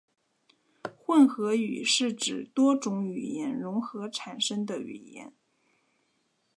混合语是指多种语言融合产生的语言。